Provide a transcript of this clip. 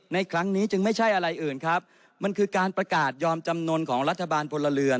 ในครั้งนี้จึงไม่ใช่อะไรอื่นครับมันคือการประกาศยอมจำนวนของรัฐบาลพลเรือน